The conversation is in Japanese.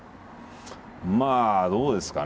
まあどうですかね。